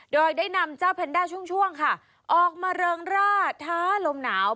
โดยได้นำเจ้าแพนด้าช่วงค่ะออกมาเริงร่าท้าลมหนาว